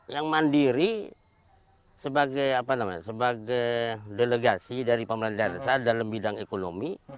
yang mandiri sebagai delegasi dari pemerintah desa dalam bidang ekonomi